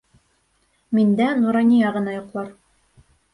Миндә Нурания ғына йоҡлар.